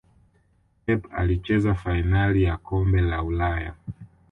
pep alicheza fainali ya kombe la ulaya